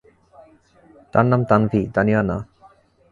তার নাম তানভি, তানিয়া না।